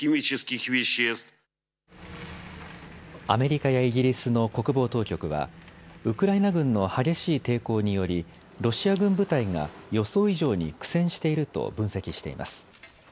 アメリカやイギリスの国防当局はウクライナ軍の激しい抵抗によりロシア軍部隊が予想以上に苦戦していると分析しています。